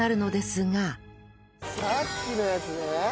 さっきのやつね。